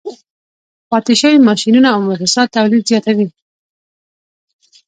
پاتې شوي ماشینونه او موسسات تولید زیاتوي